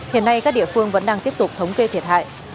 hiện nay các địa phương vẫn đang tiếp tục thống kê thiệt hại